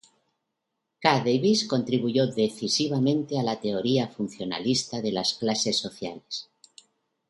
K. Davis contribuyó decisivamente a la teoría funcionalista de las clases sociales.